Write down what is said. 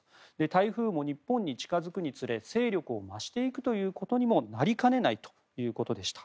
台風も日本に近付くにつれ勢力を増していくということにもなりかねないということでした。